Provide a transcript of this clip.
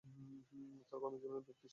তার কর্মজীবনের ব্যপ্তি ছিল সত্তর বছর।